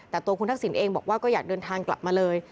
แต่ตัวคุณทักษิณเองบอกว่าก็อยากเดินทางกลับมาเลย